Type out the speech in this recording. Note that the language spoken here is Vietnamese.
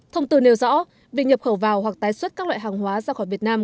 thông tư nêu rõ việc nhập khẩu vào hoặc tái xuất các loại hàng hóa ra khỏi việt nam